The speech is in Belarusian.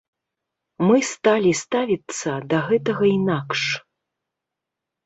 Мы сталі ставіцца да гэтага інакш.